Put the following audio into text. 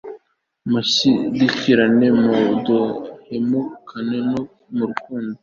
mushyigikirane mu budahemuka no murukundo